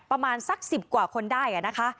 ประมาณสัก๑๐กว่าคนได้นะคะ